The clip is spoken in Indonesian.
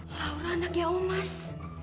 laura anaknya omas